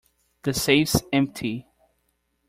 The safe's empty.